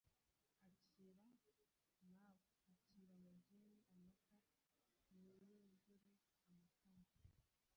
akira mawe, akira mubyeyi amata niyuzure amatama,